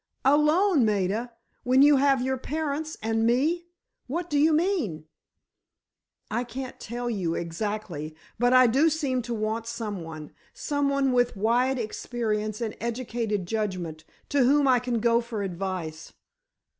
"Alone, Maida? When you have your parents and me? What do you mean?" "I can't tell you, exactly, but I seem to want someone—someone with wide experience and educated judgment—to whom I can go for advice."